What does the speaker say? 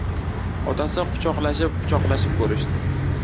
Otasi quchoqlashib-quchoqlashib ko‘rishdi.